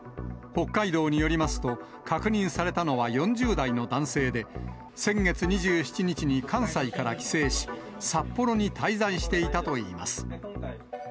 北海道によりますと、確認されたのは４０代の男性で、先月２７日に関西から帰省し、札幌に滞在していたといいます。